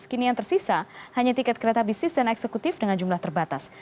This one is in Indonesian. kini yang tersisa hanya tiket kereta bisnis dan eksekutif dengan jumlah terbatas